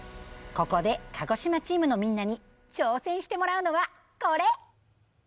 ここで鹿児島チームのみんなに挑戦してもらうのはこれ！